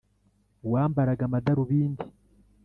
wambaraga amadarubindi